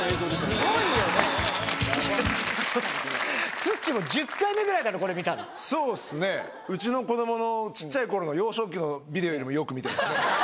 ツッチーも１０回目ぐらいだそうですね、うちの子どものちっちゃいころの幼少期のビデオよりもよく見てますね。